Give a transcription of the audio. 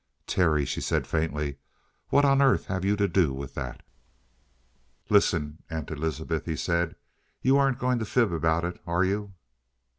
"Terry," she said faintly, "what on earth have you to do with that " "Listen, Aunt Elizabeth," he said, "you aren't going to fib about it, are you?"